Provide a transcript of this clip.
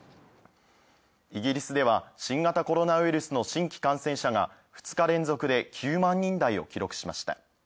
イギリスでは新型コロナウイルスの新規感染者が２日連続で９万人台を記録しました。